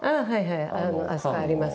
あそこありますけど。